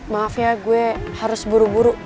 maaf ya gue harus buru buru